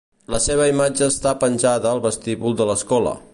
La seva imatge està penjada al vestíbul de l'escola.